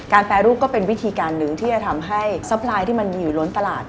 แปรรูปก็เป็นวิธีการหนึ่งที่จะทำให้ซัพพลายที่มันอยู่ล้นตลาด